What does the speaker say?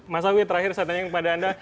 mas awi terakhir saya tanya kepada anda